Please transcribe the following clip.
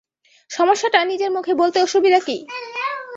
সমস্যাটা নিজের মুখে বলতে অসুবিধা কী?